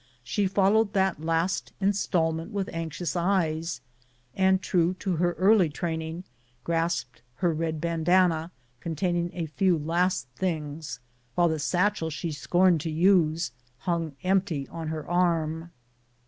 She followed that last instalment CHANGE OF STATION. 13 with anxious eyes, and, true to her early training, grasped her red bandanna, containing a few last things, while the satchel she scorned to use hung empty on her arm.